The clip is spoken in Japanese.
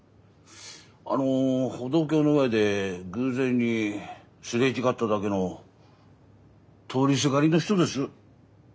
あの歩道橋の上で偶然に擦れ違っただけの通りすがりの人です。